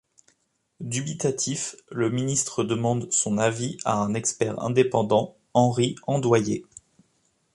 Dubitatif, le ministre demande son avis à un expert indépendant, Henri Andoyer.